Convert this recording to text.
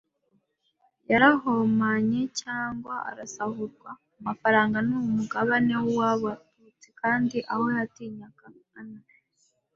yarohamye cyangwa asahurwa. Amafaranga ni umugabane wabatutsi, kandi aho yatinyaga an